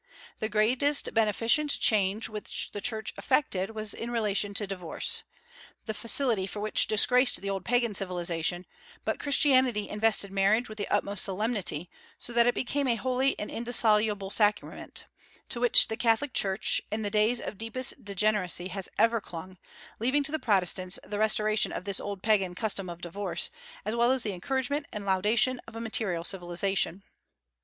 The greatest beneficent change which the Church effected was in relation to divorce, the facility for which disgraced the old Pagan civilization; but Christianity invested marriage with the utmost solemnity, so that it became a holy and indissoluble sacrament, to which the Catholic Church, in the days of deepest degeneracy has ever clung, leaving to the Protestants the restoration of this old Pagan custom of divorce, as well as the encouragement and laudation of a material civilization.